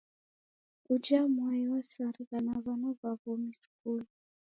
Uja mwai wasarigha na w'ana w'a w'omi skulu.